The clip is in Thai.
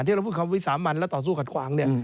ที่เราพูดคำวิสามันและต่อสู้ขัดขวางเนี่ย